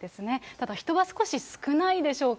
ただ、人は少し少ないでしょうか。